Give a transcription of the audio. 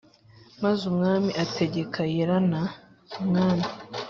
Maze umwami ategeka Yeram li umwana